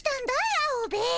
アオベエ。